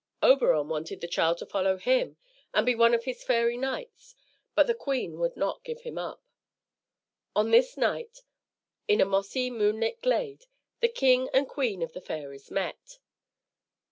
Oberon wanted the child to follow him and be one of his fairy knights; but the queen would not give him up. On this night, in a mossy moonlit glade, the king and queen of the fairies met.